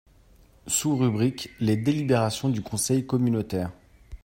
sous-rubrique : les délibérations du Conseil communautaire.